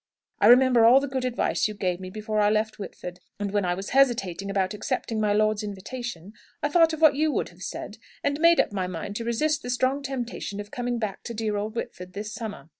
I remember all the good advice you gave me before I left Whitford. And when I was hesitating about accepting my lord's invitation, I thought of what you would have said, and made up my mind to resist the strong temptation of coming back to dear old Whitford this summer."